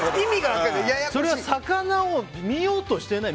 それは魚を見ようとしていない。